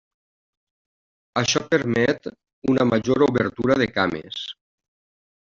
Això permet una major obertura de cames.